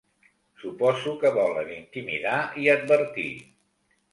Suposo que volen intimidar i advertir.